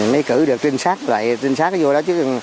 mấy cử được trinh sát lại trinh sát nó vô đó chứ